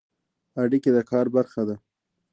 اړیکې د کار برخه ده